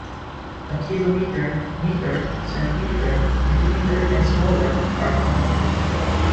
The kilometre, metre, centimetre, millimetre, and smaller are common.